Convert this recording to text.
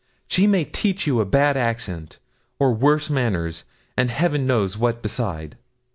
She may teach you a bad accent, and worse manners, and heaven knows what beside.